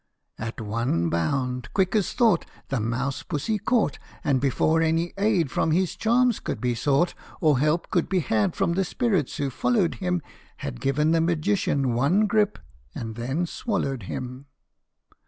At one bound, quick as thought, That mouse Pussy caught, And before any aid from his charms could be sought, Or help could be had from the spirits who followed him, Had given the magician one grip and then swallowed him